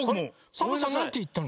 サボさんなんていったの？